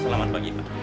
selamat pagi pak